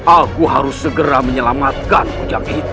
aku harus segera menyelamatkan kujang itu